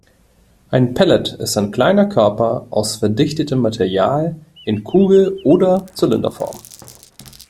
Ein Pellet ist ein kleiner Körper aus verdichtetem Material in Kugel- oder Zylinderform.